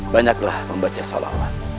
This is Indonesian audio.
banyaklah membaca sholawat